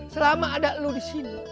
selama ada lu disini